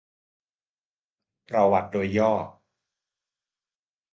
ประวัติโดยย่อ